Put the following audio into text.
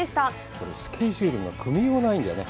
これ、スケジュールの組みようがないね。